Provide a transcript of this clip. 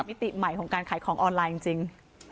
มิติใหม่ของการขายของออนไลน์จริง